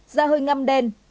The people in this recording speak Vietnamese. da hơi ngăm đen